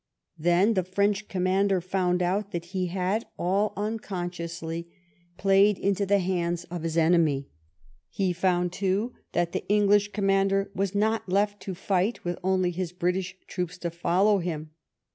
Then the French conmiander found out that he had, all unconsciously, played into the hands of his enemy. He found, too, that the English com mander was not left to fight with only his British troops to follow him.